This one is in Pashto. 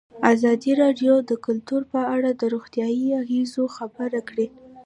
ازادي راډیو د کلتور په اړه د روغتیایي اغېزو خبره کړې.